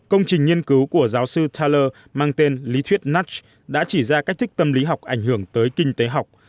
công trình nghiên cứu của giáo sư taller mang tên lý thuyết natch đã chỉ ra cách thích tâm lý học ảnh hưởng tới kinh tế học